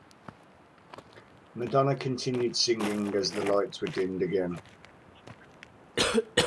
Madonna continued singing as the lights were dimmed again.